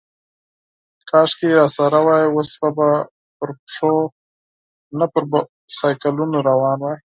کاشکې راسره وای، اوس به پر پښو، نه پر بایسکلونو روان وای.